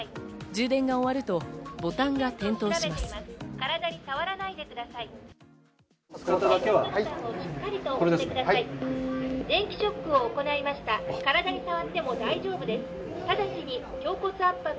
充電が終わるとボタンが点灯します。